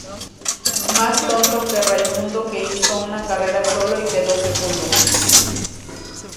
Más tonto que Raimundo que hizo una carrera solo y quedó segundo